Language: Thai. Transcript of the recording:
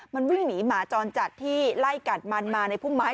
มันวิ่งหนีหมาจรจัดที่ไล่กัดมันมาในพุ่มไม้